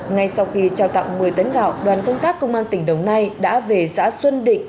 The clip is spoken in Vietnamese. ngay sau khi trao tặng một mươi tấn gạo đoàn công tác công an tỉnh đồng nai đã về xã xuân định